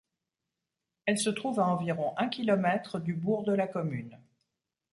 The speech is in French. Elle se trouve à environ un kilomètre du bourg de la commune.